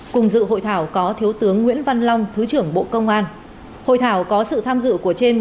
cùng dự hội thảo có thiếu tướng nguyễn văn long thứ trưởng bộ công an